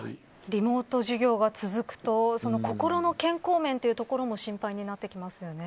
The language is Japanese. リモート授業が続くと心の健康面というところも心配になってきますよね。